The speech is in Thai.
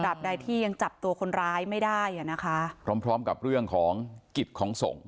ใดที่ยังจับตัวคนร้ายไม่ได้อ่ะนะคะพร้อมพร้อมกับเรื่องของกิจของส่ง